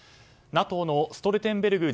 ＮＡＴＯのストルテンベルグ